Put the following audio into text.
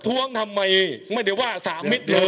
ประท้วงทำไมไม่ได้ว่าสามมิตรเลย